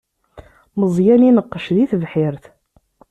Meẓyan ineqqec di tebḥirt.